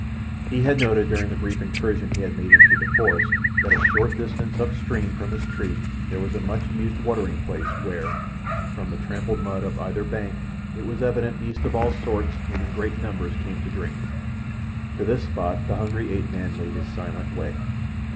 He had noted during the brief incursion he had made into the forest that a short distance up stream from his tree there was a much used watering place, where, from the trampled mud of either bank, it was evident beasts of all sorts and in great numbers came to drink. To this spot the hungry ape man made his silent way.